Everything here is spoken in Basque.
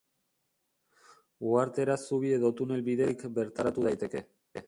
Uhartera zubi edo tunel bidez bakarrik bertaratu daiteke.